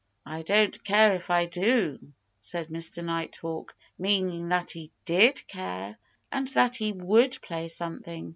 "I don't care if I do," said Mr. Nighthawk meaning that he did care, and that he would play something.